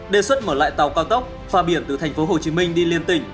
đề xuất mở lại tàu cao tốc pha biển từ tp hcm đi liên tỉnh